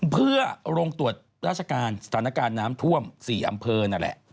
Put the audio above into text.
เพื่อโรงตรวจราชการสถานการณ์น้ำท่วม๔อำเภอนั่นแหละ